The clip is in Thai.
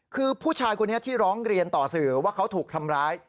คือผู้ชายคนนี้ที่ร้องเรียนต่อสื่อว่าเขาถูกทำร้าย